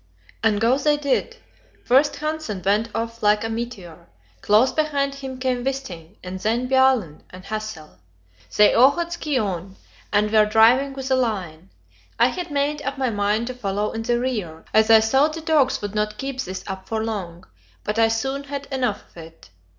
And go they did. First Hanssen went off like a meteor; close behind him came Wisting, and then Bjaaland and Hassel. They all had ski on, and were driving with a line. I had made up my mind to follow in the rear, as I thought the dogs would not keep this up for long, but I soon had enough of it.